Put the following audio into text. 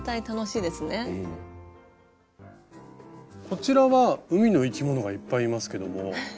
こちらは海の生き物がいっぱいいますけども。